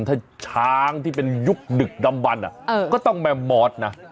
ถ้าช้างที่เป็นยุคดึกดำบันก็ต้องแมมมอสนะ